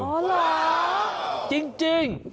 เหรอบอเขาจริง